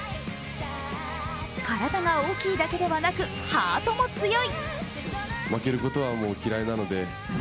体が大きいだけではなく、ハートも強い。